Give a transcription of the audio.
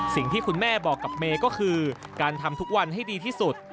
สิ่งที่คุณแม่บอกกับเมย์ก็คือการทำทุกวันให้ดีที่สุด